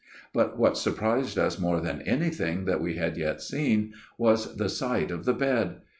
" But what surprised us more than anything that we had yet seen, was the sight of the bed.